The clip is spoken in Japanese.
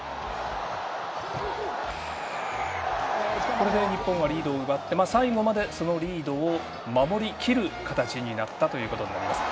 これで日本はリードを奪って最後までそのリードを守りきる形になったということになります。